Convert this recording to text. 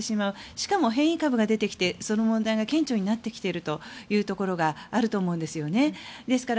しかも変異株が出てきてその問題が顕著になってきているというところがあると思うんですよね。